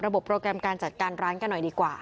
โปรแกรมการจัดการร้านกันหน่อยดีกว่า